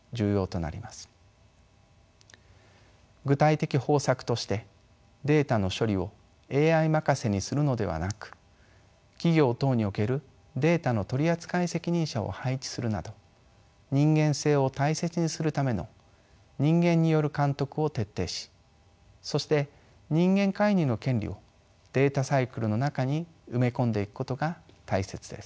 具体的方策としてデータの処理をＡＩ任せにするのではなく企業等におけるデータの取り扱い責任者を配置するなど人間性を大切にするための人間による監督を徹底しそして人間介入の権利をデータサイクルの中に埋め込んでいくことが大切です。